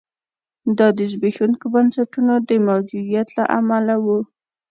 دا د زبېښونکو بنسټونو د موجودیت له امله و.